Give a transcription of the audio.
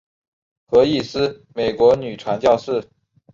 何义思美国女传教士。